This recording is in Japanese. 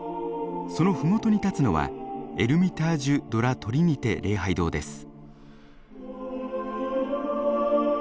その麓に立つのはエルミタージュ・ド・ラ・トリニテ礼拝堂です。